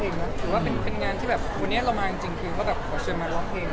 ถือว่าเป็นงานที่แบบวันนี้เรามาจริงคือว่าแบบขอเชิญมาร้องเพลง